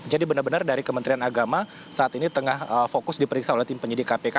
jadi benar benar dari kementerian agama saat ini tengah fokus diperiksa oleh tim penyidik kpk